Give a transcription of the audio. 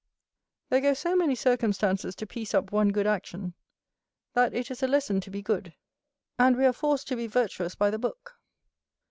There go so many circumstances to piece up one good action, that it is a lesson to be good, and we are forced to be virtuous by the book.